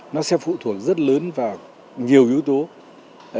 nó sẽ phụ thuộc rất lớn vào nhiều yếu tố